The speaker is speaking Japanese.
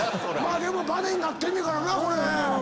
でもバネになってんねんからな。